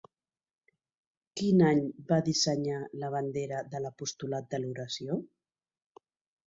Quin any va dissenyar la bandera de l'"apostolat de l'oració"?